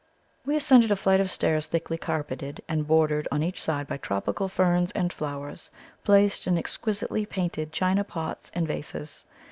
We ascended a flight of stairs thickly carpeted, and bordered on each side by tropical ferns and flowers, placed in exquisitely painted china pots and vases.